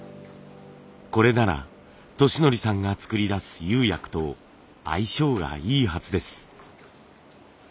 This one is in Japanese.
これなら利訓さんが作り出す釉薬と相性がいいはずです。